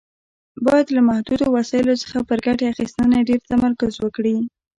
باید له محدودو وسایلو څخه پر ګټې اخیستنې ډېر تمرکز وکړي.